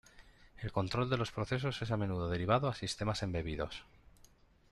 El control de los procesos es a menudo derivado a sistemas embebidos.